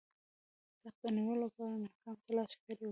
تخت د نیولو لپاره ناکام تلاښ کړی وو.